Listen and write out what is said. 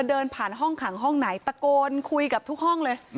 เดินผ่านห้องขังห้องไหนตะโกนคุยกับทุกห้องเลย